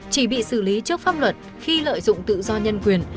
chỉ bị xử lý trước pháp luật khi lợi dụng tự do nhân quyền